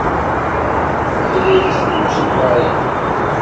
Amek ay la yetteddu usenfar-nnem?